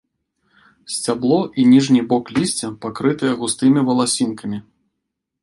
Сцябло і ніжні бок лісця пакрытыя густымі валасінкамі.